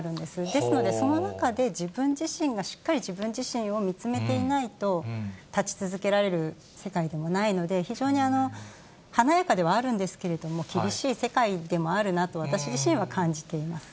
ですので、その中で自分自身がしっかり自分自身を見つめていないと、立ち続けられる世界でもないので、非常に華やかではあるんですけれども、厳しい世界でもあるなと私自身は感じています。